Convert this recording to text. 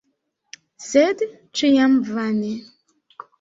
Sed ĉiam vane.